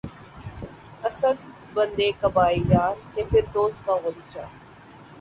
اسد! بندِ قباے یار‘ ہے فردوس کا غنچہ